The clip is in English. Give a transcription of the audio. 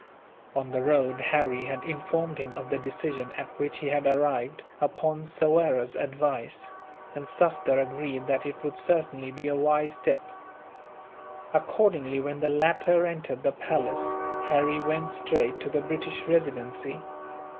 On the road, Harry had informed him of the decision at which he had arrived, upon Soyera's advice; and Sufder agreed that it would certainly be a wise step. Accordingly, when the latter entered the palace, Harry went straight to the British Residency.